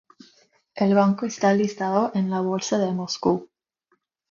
El banco está listado en la bolsa de Moscú.